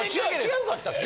違うかったっけ？